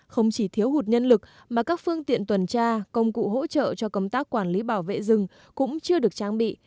không chỉ thiếu hụt nhân lực mà các phương tiện tuần tra công cụ hỗ trợ cho công tác quản lý bảo vệ rừng cũng chưa được trang bị